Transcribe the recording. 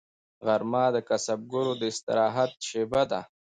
غرمه د کسبګرو د استراحت شیبه ده